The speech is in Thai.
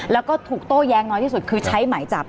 แล้วก็ถูกโต้แย้งน้อยที่สุดคือใช้หมายจับ